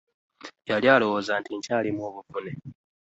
Yali alowooza nti nkyalimu obuvune.